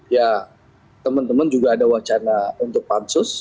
ya teman teman juga ada wacana untuk pansus